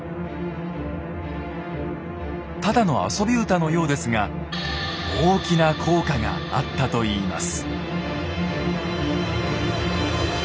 ただの遊び歌のようですが大きな効果があったといいます。